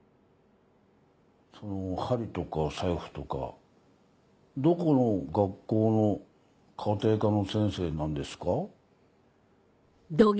その針とか財布とかどこの学校の家庭科の先生なんですか？